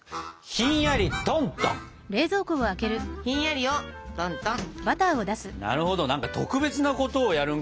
ひんやりしたものをトントン。